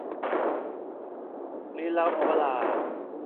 ลิลวรา